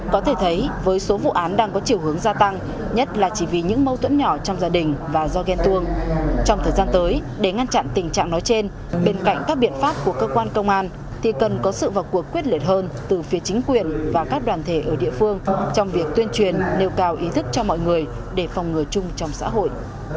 có thể thấy với số vụ án đang có chiều hướng gia tăng nhất là chỉ vì những mâu thuẫn nhỏ trong gia đình và do ghen tuông trong thời gian tới để ngăn chặn tình trạng nói trên bên cạnh các biện pháp của cơ quan công an thì cần có sự vào cuộc quyết liệt hơn từ phía chính quyền và các đoàn thể ở địa phương trong việc tuyên truyền nêu cao ý thức cho mọi người để phòng ngừa chung trong xã hội